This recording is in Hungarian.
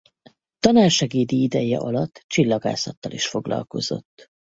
Tanársegédi ideje alatt csillagászattal is foglalkozott.